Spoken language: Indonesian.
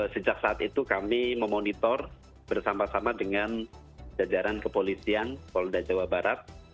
sejak saat itu kami memonitor bersama sama dengan jajaran kepolisian polda jawa barat